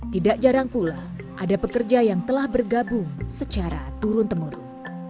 tidak jarang pula ada pekerja yang telah bergabung secara turun temurun